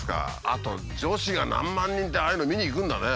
あと女子が何万人ってああいうのを見に行くんだね。